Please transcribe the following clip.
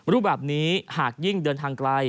รูปแบบนี้หากยิ่งเดินทางไกล